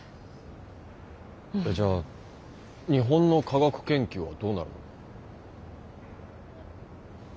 えじゃあ日本の科学研究はどうなるの？